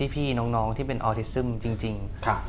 พี่น้องที่เป็นออทิซึมจริง